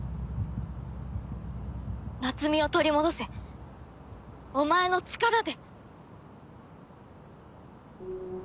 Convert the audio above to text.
夏美を取り戻せお前の力で！